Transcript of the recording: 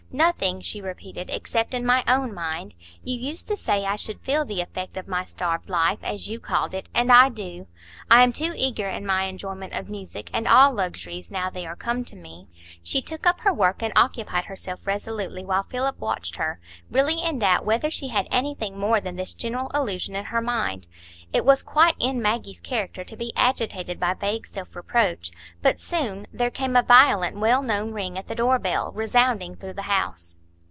"Nothing," she repeated, "except in my own mind. You used to say I should feel the effect of my starved life, as you called it; and I do. I am too eager in my enjoyment of music and all luxuries, now they are come to me." She took up her work and occupied herself resolutely, while Philip watched her, really in doubt whether she had anything more than this general allusion in her mind. It was quite in Maggie's character to be agitated by vague self reproach. But soon there came a violent well known ring at the door bell resounding through the house.